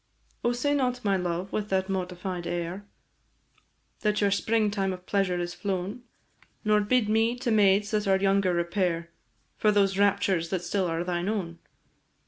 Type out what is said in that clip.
Oh, say not, my love, with that mortified air, That your spring time of pleasure is flown; Nor bid me to maids that are younger repair, For those raptures that still are thine own.